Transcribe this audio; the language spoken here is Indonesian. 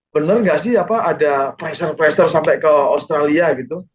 bener gak sih apa ada pressure pressure sampai ke australia gitu